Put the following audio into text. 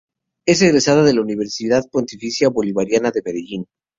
Es egresada de la Universidad Pontificia Bolivariana de Medellín.